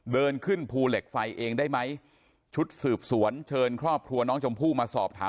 เดินขึ้นภูเหล็กไฟเองได้ไหมชุดสืบสวนเชิญครอบครัวน้องชมพู่มาสอบถาม